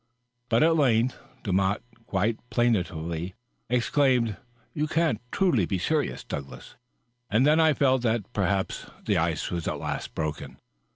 But at length Demotte quite plaintively ex claimed, " You can't truly be serious, Douglas ;'' and then I felt that perhaps the ice was at last broken.